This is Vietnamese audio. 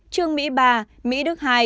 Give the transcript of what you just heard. trương mỹ ba mỹ đức hai